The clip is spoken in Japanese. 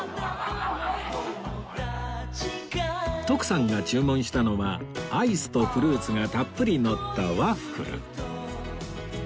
徳さんが注文したのはアイスとフルーツがたっぷりのったワッフル